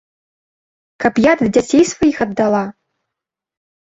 Каб я ды дзяцей сваіх аддала?